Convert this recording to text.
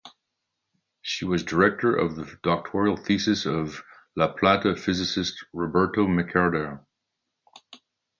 She was director of the doctoral thesis of La Plata physicist Roberto Mercader.